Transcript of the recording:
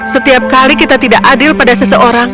setiap kali kita tidak adil pada seseorang